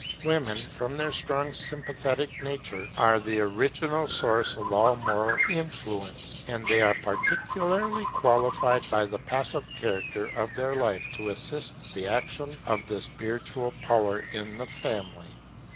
Women, from their strongly sympathetic nature, are the original source of all moral influence; and they are peculiarly qualified by the passive character of their life to assist the action of the spiritual power in the family.